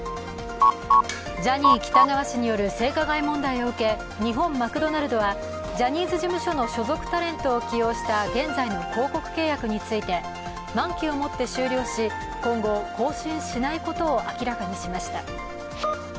ジャニー喜多川氏による性加害問題を受け、日本マクドナルドはジャニーズ事務所の所属タレントを起用した所属タレントについて満期をもって終了し、今後、更新しないことを明らかにしました。